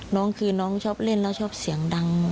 น้องคือน้องชอบเล่นแล้วชอบเสียงดัง